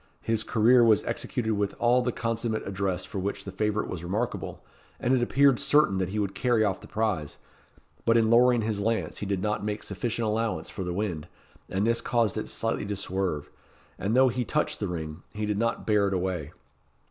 His career was executed with all the consummate address for which the favourite was remarkable, and it appeared certain that he would carry off the prize; but in lowering his lance he did not make sufficient allowance for the wind, and this caused it slightly to swerve, and though he touched the ring, he did not bear it away.